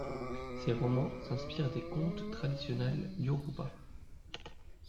Ses romans s’inspirent des contes traditionnels yoruba.